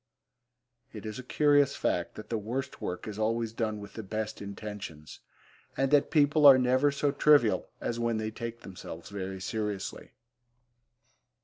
It is a curious fact that the worst work is always done with the best intentions, and that people are never so trivial as when they take themselves very seriously.